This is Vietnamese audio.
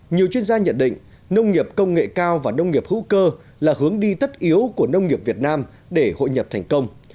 nhiều chuyên gia nhận định nông nghiệp công nghệ cao và nông nghiệp hữu cơ là hướng đi tất yếu của nông nghiệp việt nam để hội nhập thành công